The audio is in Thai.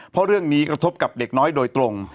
เพราะเรื่องนี้กระทบกับเด็กน้อยโดยตรง